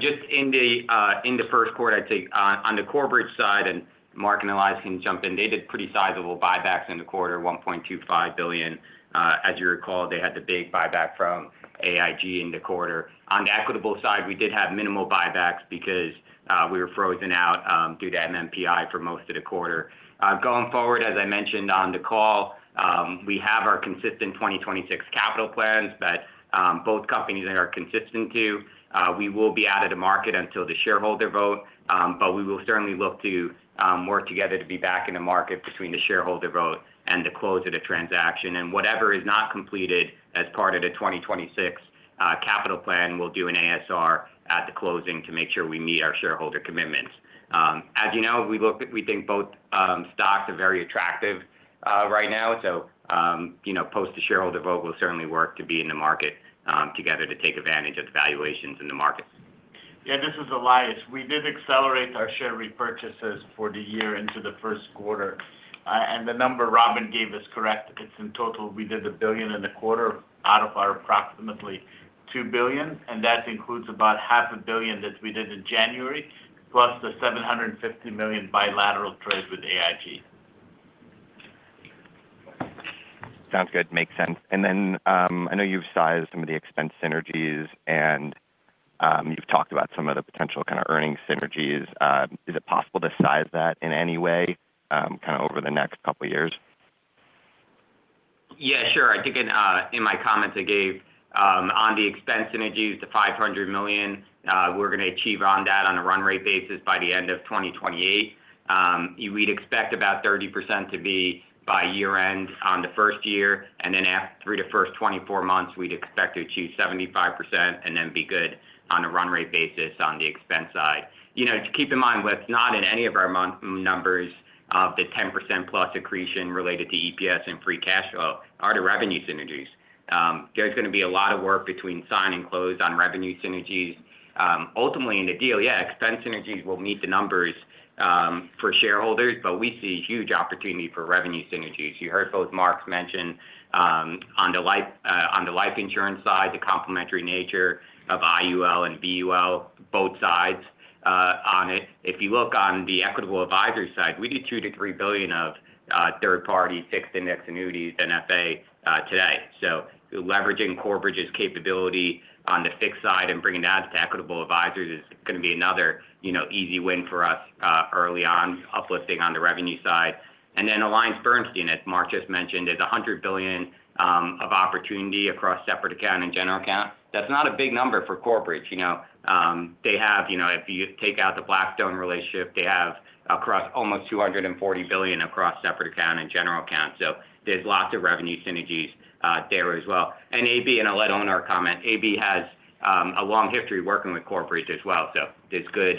Just in the first quarter, I'd say on the Corebridge side, and Marc and Elias can jump in, they did pretty sizable buybacks in the quarter, $1.25 billion. As you recall, they had the big buyback from AIG in the quarter. On the Equitable side, we did have minimal buybacks because we were frozen out due to MNPI for most of the quarter. Going forward, as I mentioned on the call, we have our consistent 2026 capital plans that both companies are consistent to. We will be out of the market until the shareholder vote, but we will certainly look to work together to be back in the market between the shareholder vote and the close of the transaction. Whatever is not completed as part of the 2026 capital plan, we'll do an ASR at the closing to make sure we meet our shareholder commitments. As you know, we think both stocks are very attractive right now, so you know, post the shareholder vote, we'll certainly work to be in the market together to take advantage of the valuations in the markets. Yeah, this is Elias. We did accelerate our share repurchases for the year into the first quarter. The number Robin gave is correct. It's in total, we did $1.25 billion out of our approximately $2 billion, and that includes about $500 million that we did in January, plus the $750 million bilateral trade with AIG. Sounds good. Makes sense. Then, I know you've sized some of the expense synergies, and you've talked about some of the potential kind of earnings synergies. Is it possible to size that in any way, kind of over the next couple of years? Yeah, sure. I think in my comments I gave on the expense synergies, the $500 million we're gonna achieve on run rate basis by the end of 2028. We'd expect about 30% to be by year-end on the first year, and then after the first 24 months, we'd expect to achieve 75% and then be good on a run rate basis on the expense side. You know, to keep in mind, what's not in any of our model numbers of the 10%+ accretion related to EPS and free cash flow are the revenue synergies. There's going to be a lot of work between sign and close on revenue synergies. Ultimately in the deal, yeah, expense synergies will meet the numbers for shareholders, but we see huge opportunity for revenue synergies. You heard both Marc mention on the Life Insurance side, the complementary nature of IUL and VUL, both sides on it. If you look on the Equitable Advisors side, we do $2 billion-$3 billion of third-party fixed index annuities and FIA today. Leveraging Corebridge's capability on the fixed side and bringing that to Equitable Advisors is going to be another, you know, easy win for us early on, uplifting on the revenue side. AllianceBernstein, as Marc just mentioned, is $100 billion of opportunity across separate account and general account. That's not a big number for Corebridge, you know. They have, you know, if you take out the Blackstone relationship, they have across almost $240 billion across separate account and general account. There's lots of revenue synergies there as well. And AB, and I'll let Onur comment, AB has a long history working with Corebridge as well. There's good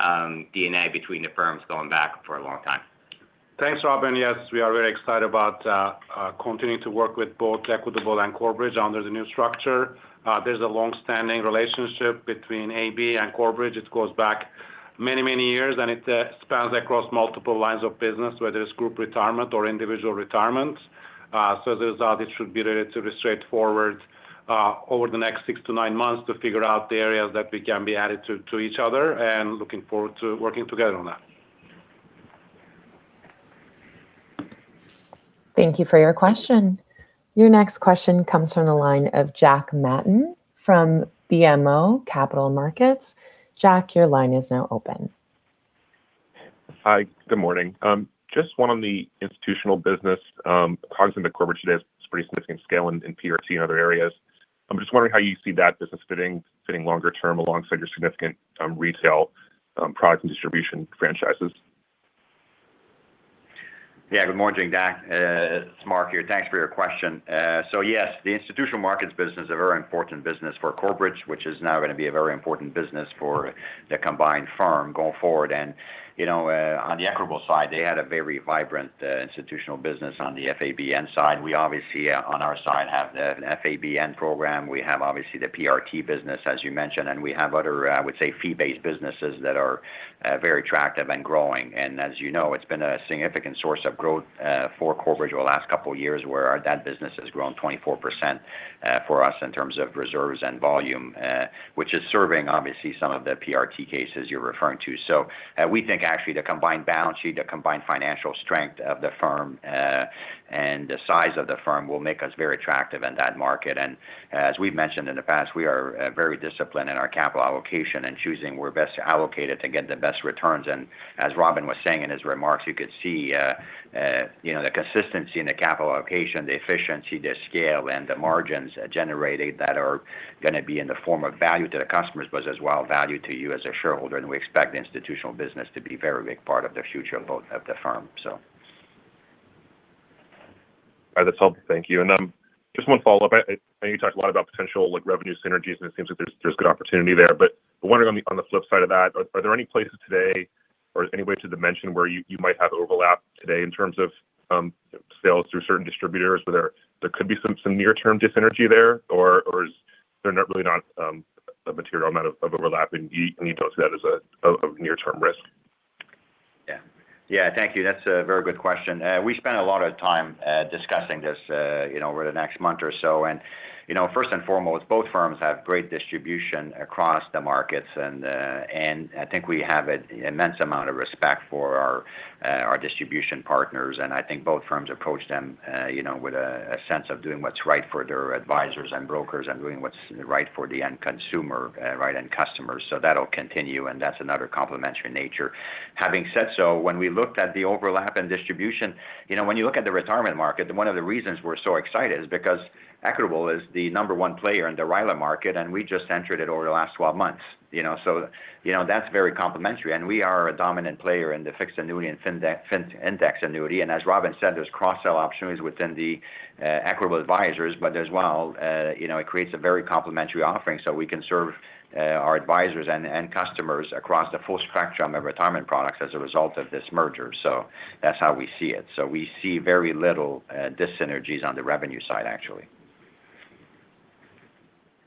DNA between the firms going back for a long time. Thanks, Robin. Yes, we are very excited about continuing to work with both Equitable and Corebridge under the new structure. There's a long-standing relationship between AB and Corebridge. It goes back many, many years, and it spans across multiple lines of business, whether it's Group Retirement or Individual Retirement. It should be relatively straightforward over the next six to nine months to figure out the areas that we can be added to each other, and looking forward to working together on that. Thank you for your question. Your next question comes from the line of Jack Matten from BMO Capital Markets. Jack, your line is now open. Hi, good morning. Just one on the Institutional business. Cognizant that Corebridge has pretty significant scale in PRT and other areas, I'm just wondering how you see that business fitting longer term alongside your significant retail product and distribution franchises. Yeah, good morning, Jack. It's Marc here. Thanks for your question. So yes, the Institutional Markets business is a very important business for Corebridge, which is now going to be a very important business for the combined firm going forward. You know, on the Equitable side, they had a very vibrant Institutional business on the FABN side. We obviously on our side have the FABN program. We have obviously the PRT business, as you mentioned, and we have other, I would say, fee-based businesses that are very attractive and growing. As you know, it's been a significant source of growth for Corebridge over the last couple of years, where that business has grown 24%, for us in terms of reserves and volume, which is serving obviously some of the PRT cases you're referring to. We think actually the combined balance sheet, the combined financial strength of the firm, and the size of the firm will make us very attractive in that market. As we've mentioned in the past, we are very disciplined in our capital allocation and choosing where best to allocate it to get the best returns. As Robin was saying in his remarks, you could see you know the consistency in the capital allocation, the efficiency, the scale, and the margins generated that are going to be in the form of value to the customers, but as well value to you as a shareholder. We expect the Institutional business to be a very big part of the future of both of the firm, so. All right, that's helpful. Thank you. Just one follow-up. I know you talked a lot about potential like revenue synergies, and it seems like there's good opportunity there. I'm wondering on the flip side of that, are there any places today or is any way to dimension where you might have overlap today in terms of sales through certain distributors where there could be some near-term dis-synergy there, or is there really not a material amount of overlap and you'd look at that as a near-term risk? Yeah. Thank you. That's a very good question. We spent a lot of time discussing this, you know, over the next month or so. You know, first and foremost, both firms have great distribution across the markets. I think we have an immense amount of respect for our distribution partners. I think both firms approach them, you know, with a sense of doing what's right for their advisors and brokers and doing what's right for the end consumer, right, end customers. That'll continue, and that's another complementary nature. Having said so, when we looked at the overlap in distribution, you know, when you look at the retirement market, one of the reasons we're so excited is because Equitable is the number one player in the RILA market, and we just entered it over the last 12 months, you know. You know, that's very complementary. We are a dominant player in the fixed annuity and fixed index annuity. As Robin said, there's cross-sell opportunities within the Equitable Advisors. As well, you know, it creates a very complementary offering, so we can serve our advisors and customers across the full spectrum of retirement products as a result of this merger. That's how we see it. We see very little dis-synergies on the revenue side, actually.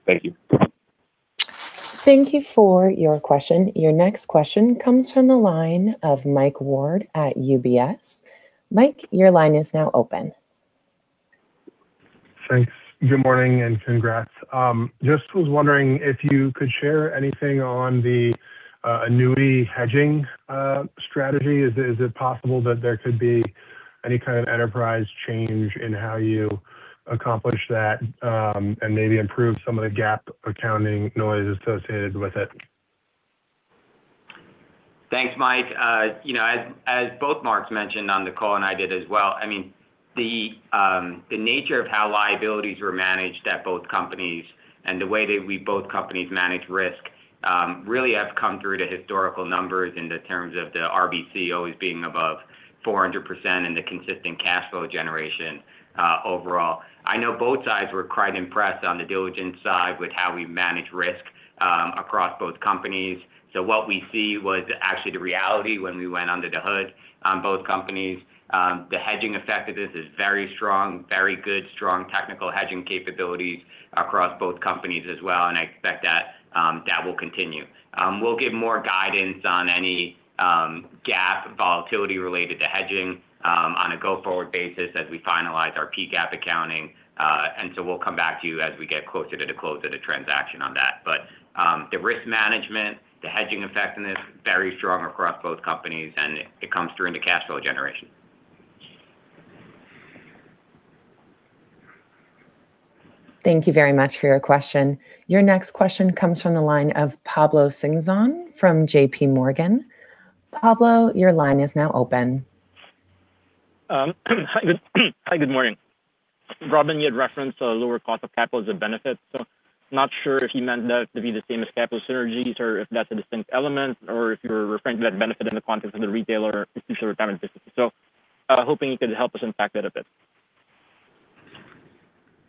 Thank you. Thank you for your question. Your next question comes from the line of Mike Ward at UBS. Mike, your line is now open. Thanks. Good morning, and congrats. Just was wondering if you could share anything on the annuity hedging strategy. Is it possible that there could be any kind of enterprise change in how you accomplish that, and maybe improve some of the GAAP accounting noise associated with it? Thanks, Mike. You know, as both Marks mentioned on the call, and I did as well, I mean, the nature of how liabilities were managed at both companies and the way that both companies manage risk, really have come through the historical numbers in terms of the RBC always being above 400% and the consistent cash flow generation, overall. I know both sides were quite impressed on the diligence side with how we manage risk, across both companies. What we see was actually the reality when we went under the hood on both companies. The hedging effect of this is very strong, very good, strong technical hedging capabilities across both companies as well, and I expect that that will continue. We'll give more guidance on any GAAP volatility related to hedging on a go-forward basis as we finalize our PGAAP accounting. We'll come back to you as we get closer to the close of the transaction on that. The risk management, the hedging effectiveness, very strong across both companies, and it comes through in the cash flow generation. Thank you very much for your question. Your next question comes from the line of Pablo Singzon from JPMorgan. Pablo, your line is now open. Hi, good morning. Robin, you had referenced a lower cost of capital as a benefit. Not sure if you meant that to be the same as capital synergies or if that's a distinct element or if you're referring to that benefit in the context of the retail retirement business. Hoping you could help us unpack that a bit.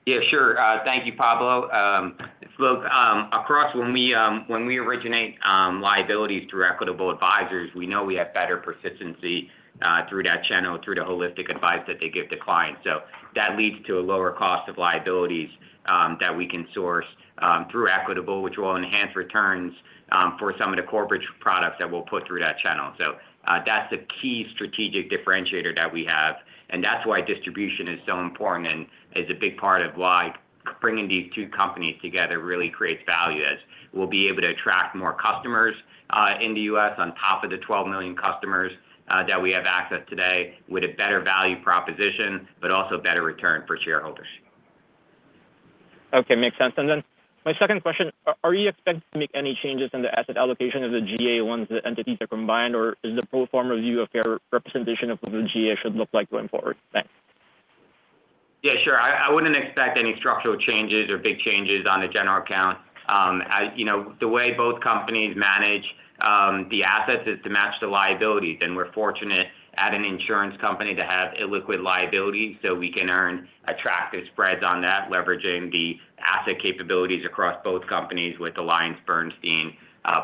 Yeah, sure. Thank you, Pablo. Look, when we originate liabilities through Equitable Advisors, we know we have better persistency through that channel, through the holistic advice that they give to clients. That leads to a lower cost of liabilities that we can source through Equitable, which will enhance returns for some of the Corebridge products that we'll put through that channel. That's a key strategic differentiator that we have, and that's why distribution is so important and is a big part of why bringing these two companies together really creates value, as we'll be able to attract more customers in the U.S. on top of the 12 million customers that we have access today with a better value proposition, but also better return for shareholders. Okay. Makes sense. My second question, are you expected to make any changes in the asset allocation of the GA once the entities are combined, or is the pro forma view a fair representation of what the GA should look like going forward? Thanks. Yeah, sure. I wouldn't expect any structural changes or big changes on the general account. You know, the way both companies manage the assets is to match the liabilities, and we're fortunate at an insurance company to have illiquid liabilities, so we can earn attractive spreads on that, leveraging the asset capabilities across both companies with AllianceBernstein,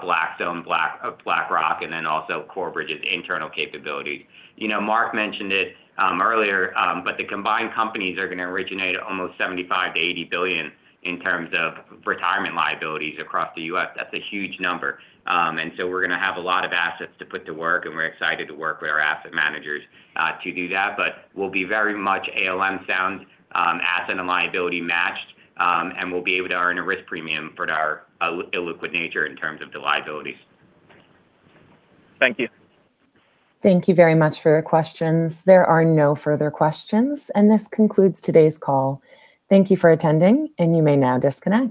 Blackstone, BlackRock, and then also Corebridge's internal capabilities. You know, Marc mentioned it earlier, but the combined companies are going to originate almost $75 billion-$80 billion in terms of retirement liabilities across the U.S. That's a huge number. We're going to have a lot of assets to put to work, and we're excited to work with our asset managers to do that. We'll be very much ALM sound, asset and liability matched, and we'll be able to earn a risk premium for our illiquid nature in terms of the liabilities. Thank you. Thank you very much for your questions. There are no further questions, and this concludes today's call. Thank you for attending, and you may now disconnect.